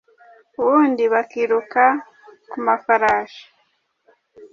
ubundi bakiruka ku mafarashi